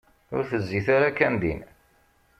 Ur tezzit ara kan din.